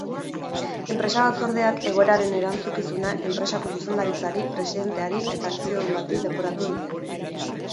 Enpresa batzordeak egoeraren erantzukizuna enpresako zuzendaritzari, presidenteari eta akziodun bati leporatu die.